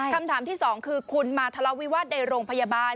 คำถามที่สองคือคุณมาทะเลาวิวาสในโรงพยาบาล